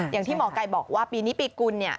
อย่างที่หมอไก่บอกว่าปีนี้ปีกุลเนี่ย